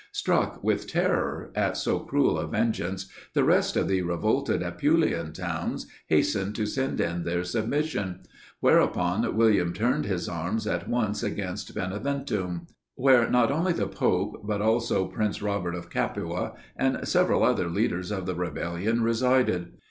Struck with terror at so cruel a vengeance, the rest of the revolted Apulian towns hastened to send in their submission; whereupon, William turned his arms at once against Beneventum; where not only the pope, but also prince Robert of Capua, and several other leaders of the rebellion resided.